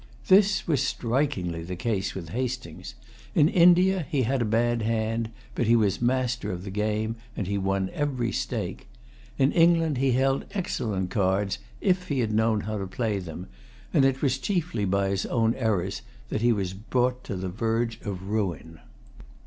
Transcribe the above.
This was strikingly the case with Hastings. In India he had a bad hand; but he was master of the game, and he won every stake. In England he held excellent cards, if he had known how to play them; and it was chiefly by his own errors that he was brought to the verge of ruin.